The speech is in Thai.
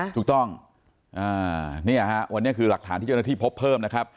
เดี๋ยวอย่างนี้วันนี้คือหลักฐานที่เจ้าหน้าที่พบเพิ่มนะครับ